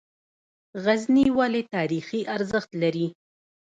غزني ولې تاریخي ارزښت لري؟